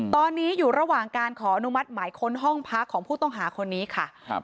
ตอนนี้อยู่ระหว่างการขออนุมัติหมายค้นห้องพักของผู้ต้องหาคนนี้ค่ะครับ